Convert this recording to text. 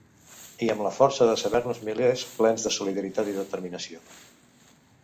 I amb la força de saber-nos milers plens de solidaritat i determinació.